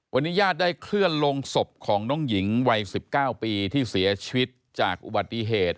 วันนี้ญาติได้เคลื่อนลงศพของน้องหญิงวัย๑๙ปีที่เสียชีวิตจากอุบัติเหตุ